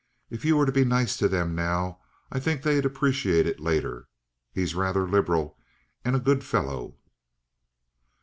If you were to be nice to them now I think they'd appreciate it later. He's rather liberal, and a good fellow."